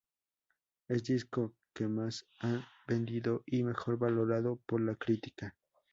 Es disco que más ha vendido y mejor valorado por la crítica.